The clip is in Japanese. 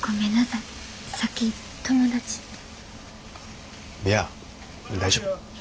いや大丈夫。